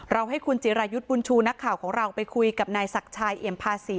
ให้คุณจิรายุทธ์บุญชูนักข่าวของเราไปคุยกับนายศักดิ์ชายเอี่ยมภาษี